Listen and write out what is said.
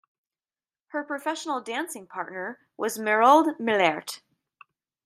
Her professional dancing partner was Mairold Millert.